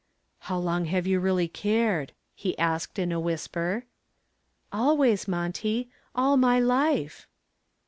"How long have you really cared?" he asked in a whisper. "Always, Monty; all my life."